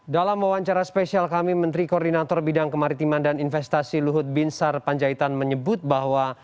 dalam wawancara spesial kami menteri koordinator bidang kemaritiman dan investasi luhut binsar panjaitan menyebut bahwa